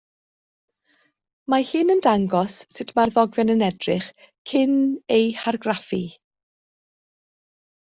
Mae hyn yn dangos sut mae'r ddogfen yn edrych cyn ei hargraffu.